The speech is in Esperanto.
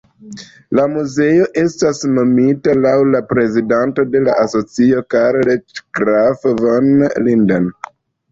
La muzeo estas nomita laŭ la prezidanto de la asocio Karl Graf von Linden.